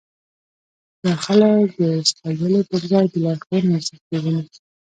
هوښیار خلک د ستایلو پر ځای د لارښوونو ارزښت پېژني.